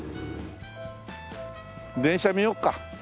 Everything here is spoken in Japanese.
電車見ようか。